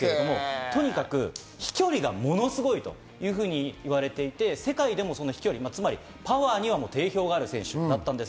とにかく飛距離がものすごいというふうにいわれていて、世界でもパワーには定評がある選手だったんです。